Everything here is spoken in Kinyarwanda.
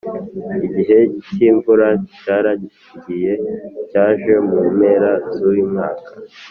igihe cyimvura cyarangiye cyaje mu mpera zuyu mwaka.